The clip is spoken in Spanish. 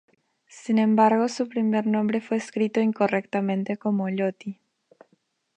Sin embargo, su primer nombre fue escrito incorrectamente, como "Lottie".